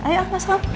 ya bagus banget